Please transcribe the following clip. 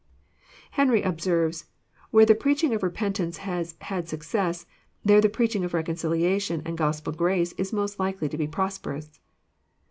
Henry observes :" Where the preaching of repentance has had success, there the preaching of reconciliation and Gospel grace is most likely to be prosperous.